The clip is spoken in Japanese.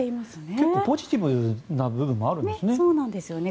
結構ポジティブな部分もあるんですね。